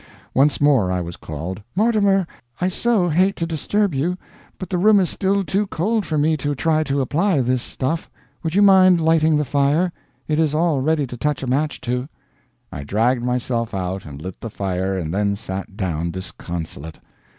Once more I was called: "Mortimer, I so hate to disturb you, but the room is still too cold for me to try to apply this stuff. Would you mind lighting the fire? It is all ready to touch a match to." I dragged myself out and lit the fire, and then sat down disconsolate.